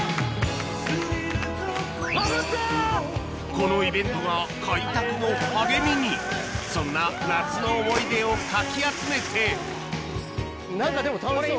このイベントが開拓の励みにそんな夏の思い出をかき集めて何かでも楽しそうね。